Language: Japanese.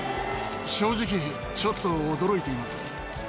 正直ちょっと驚いています。